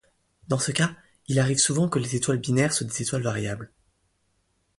Dans ce cas, il arrive souvent que les étoiles binaires soient des étoiles variables.